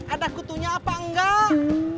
ada kutunya apa enggak